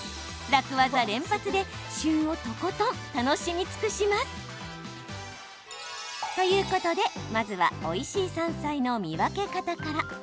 楽ワザ連発で旬をとことん楽しみ尽くします。ということでまずはおいしい山菜の見分け方から。